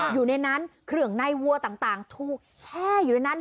อยู่ในนั้นเครื่องในวัวต่างถูกแช่อยู่ในนั้น